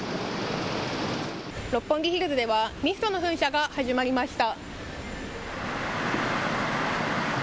六本木ヒルズではミストの噴射が始まりました。